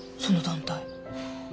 その団体。